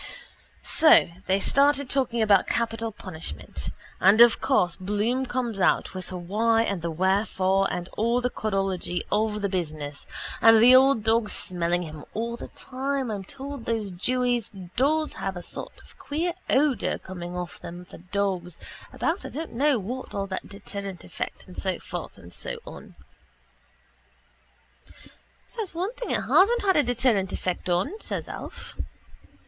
So they started talking about capital punishment and of course Bloom comes out with the why and the wherefore and all the codology of the business and the old dog smelling him all the time I'm told those jewies does have a sort of a queer odour coming off them for dogs about I don't know what all deterrent effect and so forth and so on. —There's one thing it hasn't a deterrent effect on, says Alf.